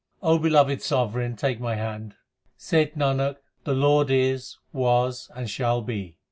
O Beloved Sovereign, take my hand. Saith Nanak, the Lord is, was, and shall be.